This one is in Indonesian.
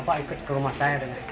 pak ikut ke rumah saya